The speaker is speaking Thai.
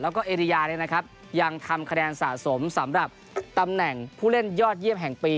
แล้วก็เอริยายังทำคะแนนสะสมสำหรับตำแหน่งผู้เล่นยอดเยี่ยมแห่งปี